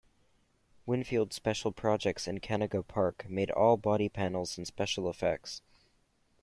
Winfield Special Projects in Canoga Park made all body panels and special effects.